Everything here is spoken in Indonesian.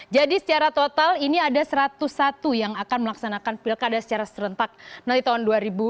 jadi secara total ini ada satu ratus satu yang akan melaksanakan pilkada secara serentak nanti tahun dua ribu tujuh belas